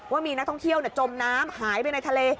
ว่ามีนักท่องเที่ยวจมน้ำหายไปในทะเล